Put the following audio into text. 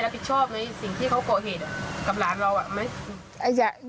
ผิดชอบไหมสิ่งที่เขาก่อเหตุกับหลานเราไหม